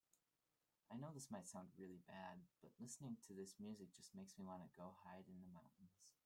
I know this might sound really bad, but listening to this music just makes me want to go hide in the mountains.